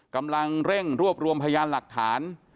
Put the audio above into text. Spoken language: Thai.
กำลังเร่งรวบรวมพยานหลักฐาน